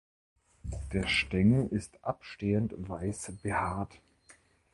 Der Stängel ist abstehend weiß behaart.